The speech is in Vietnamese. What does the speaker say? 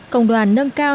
công đoàn nâng cao